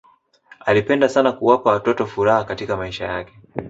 alipenda sana kuwapa watoto furaha katika maisha yake